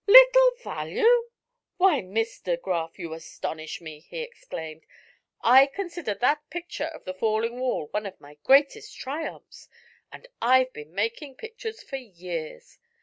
"Little value! Why, Miss de Graf, you astonish me," he exclaimed. "I consider that picture of the falling wall one of my greatest triumphs and I've been making pictures for years.